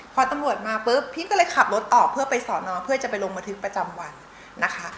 พอตำรวจมาปุ๊บพี่ก็เลยขับรถออกเพื่อไปสอนอเพื่อจะไปลงบันทึกประจำวันนะคะ